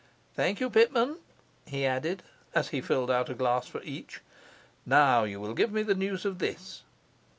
Thank you, Pitman,' he added, as he filled out a glass for each. 'Now you will give me news of this.